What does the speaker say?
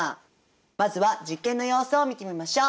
まずは実験の様子を見てみましょう。